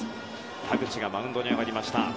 田口がマウンドに上がりました。